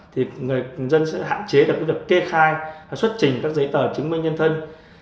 thì người dân sẽ hạn chế được kê khai và xuất trình các giấy tờ chứng minh nhân thân